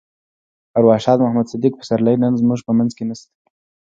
ارواښاد محمد صديق پسرلی نن زموږ په منځ کې نشته.